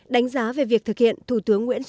đánh giá về việc thực hiện thủ tướng nguyễn xuân phúc